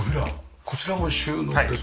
こちらも収納ですか？